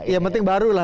yang penting baru lah